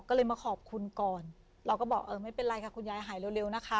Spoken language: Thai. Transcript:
ก็เลยมาขอบคุณก่อนเราก็บอกเออไม่เป็นไรค่ะคุณยายหายเร็วนะคะ